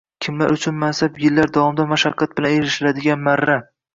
Kimlar uchun mansab yillar davomida mashaqqat bilan erishiladigan marra.